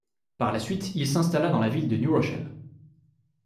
Par la suite il s'installa dans la ville de New Rochelle.